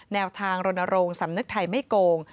แนวทางรณรงค์สำนึกไทยไม่โกง